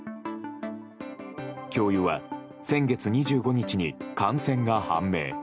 教諭は先月２５日に感染が判明。